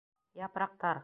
Япраҡтар